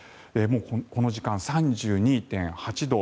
この時間、３２．８度。